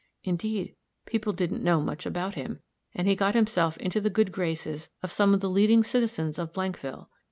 Indeed, people didn't know much about him; and he got himself into the good graces of some of the leading citizens of Blankville.